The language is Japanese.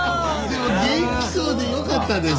でも元気そうでよかったですよ。